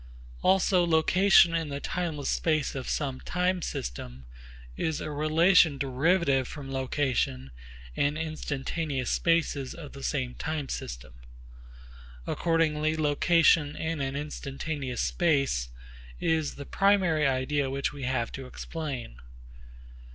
Also location in the timeless space of some time system is a relation derivative from location in instantaneous spaces of the same time system. Accordingly location in an instantaneous space is the primary idea which we have to explain.